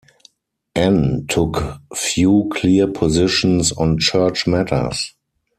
Anne took few clear positions on church matters.